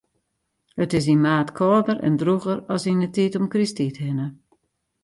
It is yn maart kâlder en drûger as yn 'e tiid om Krysttiid hinne.